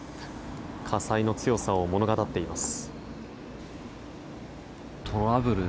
火災の強さを物語っています。